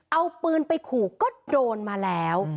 เอาปืนไปขู่ก็โดนมาแล้ว